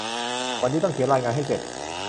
วันนี้ต้องเขียนรายงานให้เสร็จ